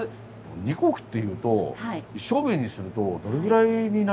２石っていうと１升瓶にするとどれぐらいになりますかね？